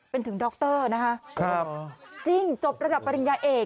เป็นถึงดรนะคะจริงจบระดับปริญญาเอก